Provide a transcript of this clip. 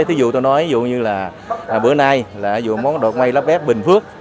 thí dụ tôi nói ví dụ như là bữa nay món đồ quay lắp ép bình phước